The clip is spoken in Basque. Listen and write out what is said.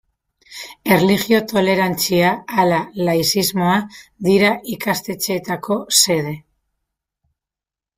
Erlijio tolerantzia ala laizismoa dira ikastetxeetako xede?